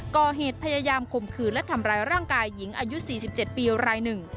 ก่อเหตุพยายามข่มขืนและทำร้ายร่างกายหญิงอายุ๔๗ปีรายหนึ่ง